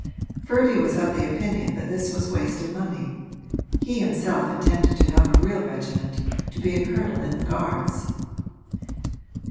Ferdy was of the opinion that this was wasted money he himself intended to have a real regiment, to be a colonel in the Guards.